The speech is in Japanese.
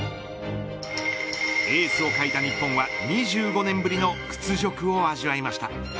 エースを欠いた日本は２５年ぶりの屈辱を味わいました。